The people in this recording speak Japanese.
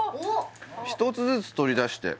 「ひとつずつ取り出して」